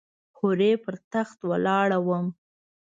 هورې پر تخت ولاړه وم .